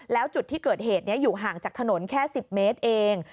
แล้วจุดที่เกิดเหตุนี้อยู่ห่างจากถนนแค่๑๐เมตรเอง